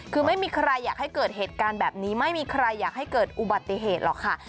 คือไม่มีใครอยากให้เกิดเหตุการณ์แบบนี้ไม่มีใครอยากให้เกิดอุบัติเหตุหรอกค่ะ